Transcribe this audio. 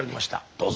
どうぞ。